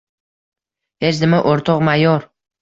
— Hech nima, o‘rtoq… mayor!